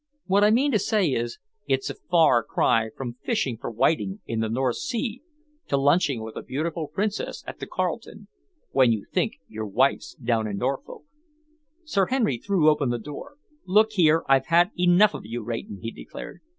What I mean to say is, it's a far cry from fishing for whiting in the North Sea to lunching with a beautiful princess at the Carlton when you think your wife's down in Norfolk." Sir Henry threw open the door. "Look here, I've had enough of you, Rayton," he declared.